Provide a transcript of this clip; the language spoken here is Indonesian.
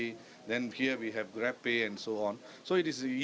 kemudian di sini kita memiliki grabpay dan sebagainya